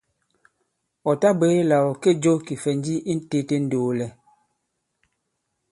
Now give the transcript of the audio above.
Ɔ̀ tabwě là ɔ̀ kê jo kìfɛ̀nji i tētē ì ndoolɛ.